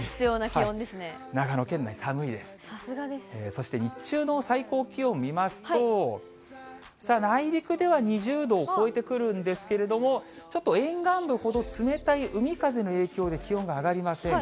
そして日中の最高気温見ますと、内陸では２０度を超えてくるんですけれども、ちょっと沿岸部ほど冷たい海風の影響で気温が上がりません。